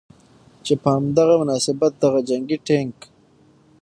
چې په هم دغه مناسبت دغه جنګي ټېنک